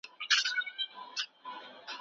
تاریخ د یو ملت حافظه ده.